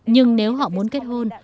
nhưng nếu họ muốn kết hôn